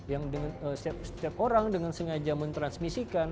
yang setiap orang dengan sengaja mentransmisikan